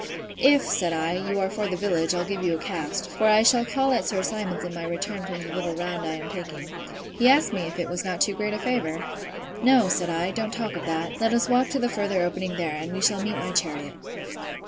If, said I, you are for the village, I'll give you a cast; for I shall call at Sir Simon's in my return from the little round I am taking. He asked me if it was not too great a favour?—No, said I, don't talk of that; let us walk to the further opening there, and we shall meet my chariot.